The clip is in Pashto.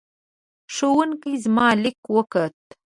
ښوونکې زما لیک وکوت.